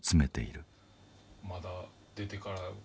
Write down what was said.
まだ出てから。